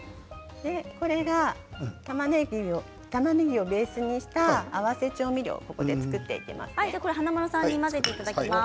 これがたまねぎをベースにした合わせ調味料を華丸さんに混ぜていただきます。